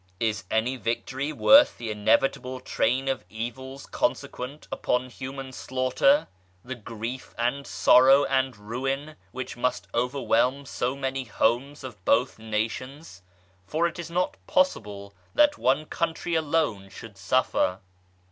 Is any victory worth the inevitable train of evils consequent upon human slaughter, the grief and sorrow and ruin which must overwhelm so many homes of both nations ? For it is not possible that one country alone should suffer.